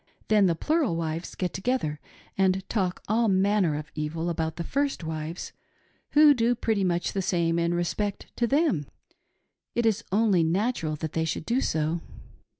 Then the plural wives get together and talk all manner of evil about the first wives, who do pretty 376 SISTER Ann's labor of love. much the same in respect to them. It is only natural that they should do so.